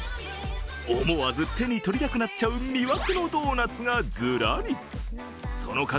思わず手に取りたくなっちゃう魅惑のドーナツがずらりその数